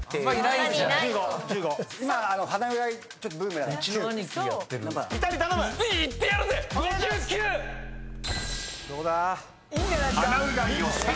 いいんじゃないっすか？